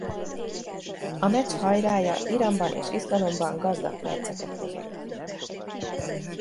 A meccs hajrája iramban és izgalomban gazdag perceket hozott.